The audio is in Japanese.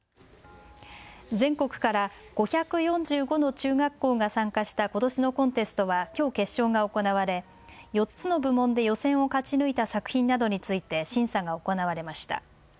全国から５４５の中学校が参加したことしのコンテストはきょう決勝が行われ４つの部門で予選を勝ち抜いた作品などについて審査が行われました。